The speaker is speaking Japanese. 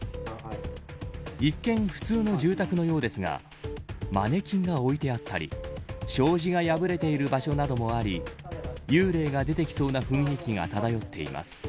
一見、普通の住宅のようですがマネキンが置いてあったり障子が破れている場所などもあり幽霊が出てきそうな雰囲気が漂っています。